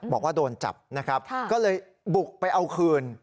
บอกว่าโดนจับนะครับก็เลยบุกไปเอาคืน